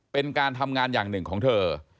เป็นการทำงานอย่างหนึ่งของเธอ